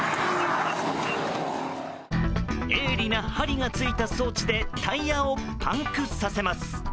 鋭利な針がついた装置でタイヤをパンクさせます。